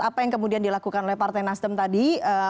apa yang kemudian dilakukan oleh partai nasdem tadi